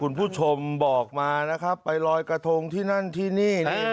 คุณผู้ชมบอกมานะครับไปลอยกระทงที่นั่นที่นี่